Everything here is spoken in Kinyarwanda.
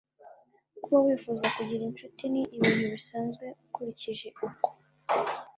kuba wifuza kugira incuti ni ibintu bisanzwe ukurikije uko